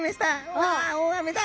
うわ大雨だ！